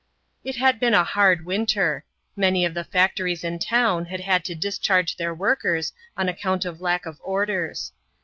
It had been a hard winter. Many of the factories in town had had to discharge their workers on account of lack of orders.